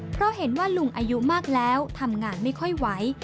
เพราะเห็นว่าลุงอายุมากแล้วทำงานไม่ค่อยไหว